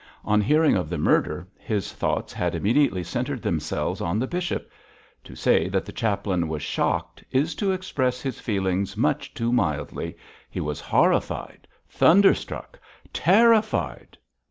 On hearing of the murder, his thoughts had immediately centred themselves on the bishop. To say that the chaplain was shocked is to express his feelings much too mildly; he was horrified! thunderstruck! terrified!